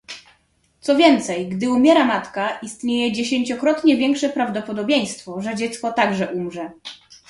Co więcej, gdy umiera matka, istnieje dziesięciokrotnie większe prawdopodobieństwo, że dziecko także umrze